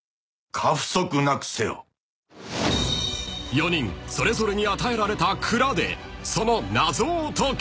［４人それぞれに与えられた蔵でその謎を解け］